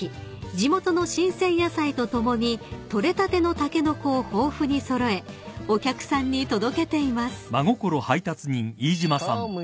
地元の新鮮野菜と共に取れたてのタケノコを豊富に揃えお客さんに届けています］